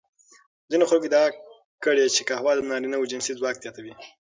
ځینو خلکو ادعا کړې چې قهوه د نارینوو جنسي ځواک زیاتوي.